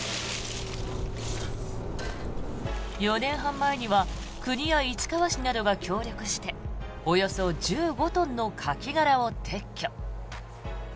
４年半前には国や市川市などが協力しておよそ１５トンのカキ殻を撤去。